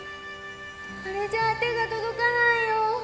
あれじゃあ手がとどかないよ。